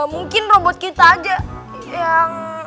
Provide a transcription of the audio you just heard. mungkin robot kita aja yang